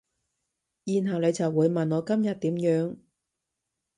然後你就會問我今日點樣